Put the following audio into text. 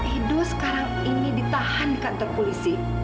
hidu sekarang ini ditahan di kantor polisi